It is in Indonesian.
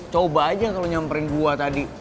coba aja kalau nyamperin gue tadi